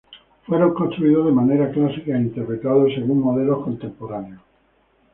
Fueron construidos de manera clásica e interpretados según modelos contemporáneos.